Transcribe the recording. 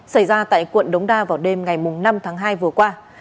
xảy ra tại quận đống đa vào đêm ngày năm tháng hai vừa qua